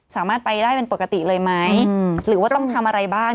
สามารถไปได้เป็นปกติเลยไหมหรือว่าต้องทำอะไรบ้าง